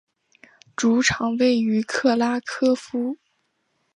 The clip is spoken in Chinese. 主场位于克拉科夫。